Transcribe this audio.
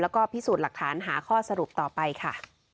แล้วก็พิสูจน์หลักฐานหาข้อสรุปต่อไปค่ะ